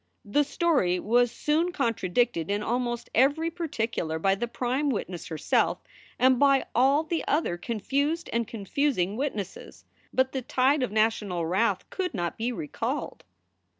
The story was soon contradicted in almost every particular by the prime witness herself and by all the other confused and confusing witnesses. But the tide of national wrath could not be recalled.